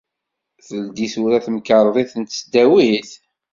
Teldi tura temkerḍit n tesdawit?